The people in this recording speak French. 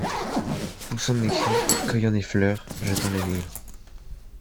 Poussant des cris, cueillant des fleurs, jetant les livres